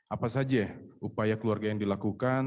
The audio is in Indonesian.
apa saja upaya keluarga yang dilakukan